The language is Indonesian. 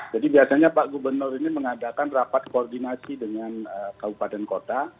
jadi biasanya pak gubernur ini mengadakan rapat koordinasi dengan kabupaten kota